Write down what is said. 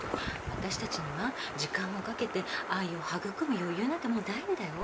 私たちには時間をかけて愛を育む余裕なんてもうないんだよ？